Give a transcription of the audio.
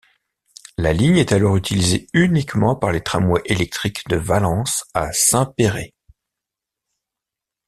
La ligne est alors utilisée uniquement par les tramways électriques de Valence à Saint-Péray.